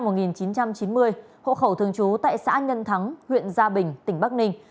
đối tượng đoàn quang tiến sinh năm một nghìn chín trăm chín mươi hộ khẩu thường trú tại xã nhân thắng huyện gia bình tỉnh bắc ninh